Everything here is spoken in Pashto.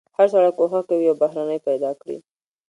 هر سړی کوښښ کوي یو بهرنی پیدا کړي.